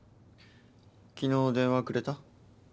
昨日電話くれた？